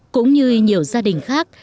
cũng như nhiều gia đình khác